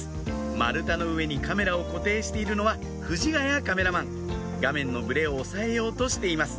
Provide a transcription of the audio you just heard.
丸太の上にカメラを固定しているのは藤ヶ谷カメラマン画面のブレを抑えようとしています